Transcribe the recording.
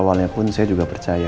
awalnya pun saya juga percaya